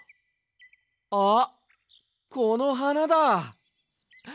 あっこのはなだ！